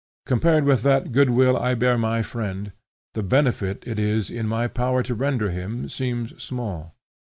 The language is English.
Compared with that good will I bear my friend, the benefit it is in my power to render him seems small.